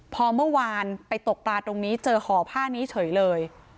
พอเมื่อวานไปตกปลาตรงนี้เจอห่อผ้านี้เฉยเลย